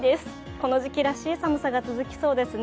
この時期らしい寒さが続きそうですね。